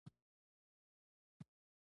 د اسلامي نړۍ یو کمپېښ هېواد دی.